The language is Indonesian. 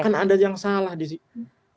kan ada yang salah di situ